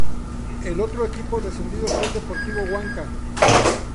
El otro equipo descendido fue el Deportivo Wanka.